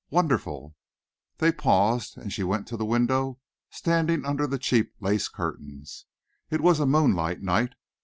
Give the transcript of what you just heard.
"Wonderful!" They paused and she went to the window, standing under the cheap lace curtains. It was a moonlight night.